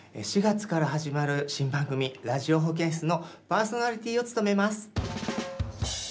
４月から始まる新番組「ラジオ保健室」のパーソナリティーを務めます。